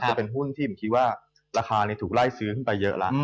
จะเป็นหุ้นที่ผมคิดว่าราคาถูกไร้ซื้อขึ้นลายขึ้นไปเยอะแล้วน่ะ